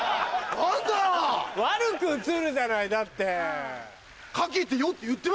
悪く映るじゃないだって。